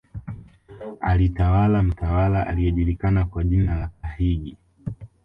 Alitawala mtawala aliyejulikana kwa jina la Kahigi